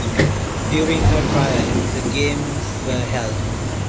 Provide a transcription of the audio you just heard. During her trial, the Games were held.